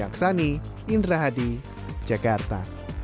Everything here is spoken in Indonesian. kita di jakarta